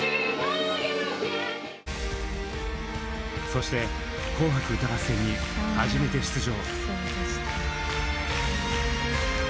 そして「紅白歌合戦」に初めて出場。